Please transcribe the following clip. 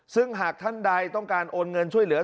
ซึ่งหากท่านใดต้องการโอนเงินช่วยเหลือ